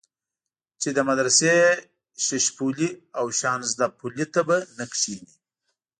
چې د مدرسې ششپولي او شانزدا پلي ته به نه کېنې.